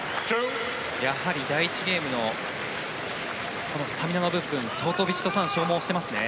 やはり第１ゲームのスタミナの部分相当ヴィチットサーンは消耗してますね。